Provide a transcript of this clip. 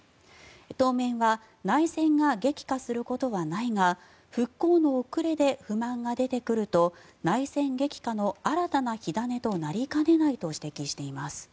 当面は内戦が激化することはないが復興の遅れで不満が出てくると内戦激化の新たな火種となりかねないと指摘しています。